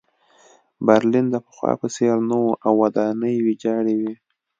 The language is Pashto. برلین د پخوا په څېر نه و او ودانۍ ویجاړې وې